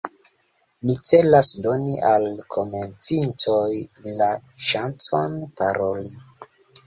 Ni celas doni al komencintoj la ŝancon paroli.